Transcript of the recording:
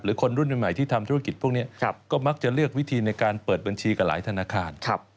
คนรุ่นใหม่ที่ทำธุรกิจพวกนี้ก็มักจะเลือกวิธีในการเปิดบัญชีกับหลายธนาคาร